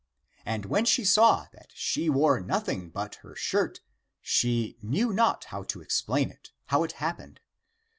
And when she saw that she wore nothing but her shirt, she knew not how to explain it, how it hap pened.